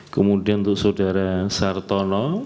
kemudian untuk saudara sartono